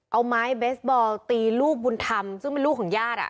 เอาไม้เบสบอลตีลูกบุญธรรมซึ่งเป็นลูกของญาติ